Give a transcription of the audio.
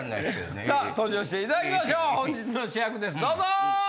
さぁ登場していただきましょう本日の主役ですどうぞ！